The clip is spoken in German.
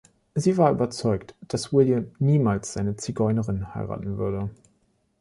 Sie war überzeugt, dass William niemals seine Zigeunerin heiraten würde.